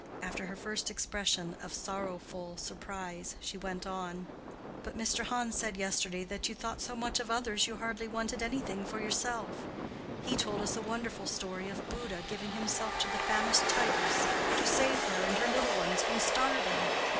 After her first expression of sorrowful surprise she went on, "But Mr. Hans said yesterday that you thought so much of others you hardly wanted anything for yourself. He told us a wonderful story of Buddha giving himself to the famished tigress to save her and her little ones from starving.